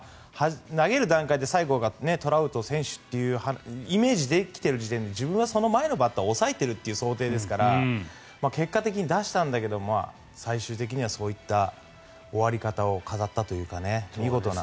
投げる段階で最後がトラウト選手というイメージで来ている時点で自分はその前のバッターを抑えているという想定ですから結果的に出したんだけど最終的にはそういった終わり方を飾ったというか、見事な。